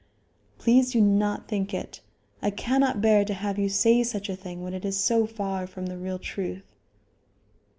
"Please do not think it. I cannot bear to have you say such a thing when it is so far from the real truth."